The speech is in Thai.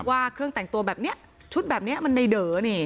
ว่าเครื่องแต่งตัวแบบนี้ชุดแบบนี้มันในเด๋อนี่